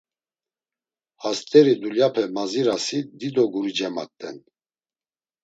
Hast̆eri dulyape mazirasi dido guri cemat̆en.